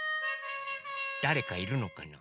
だれかいるのかな？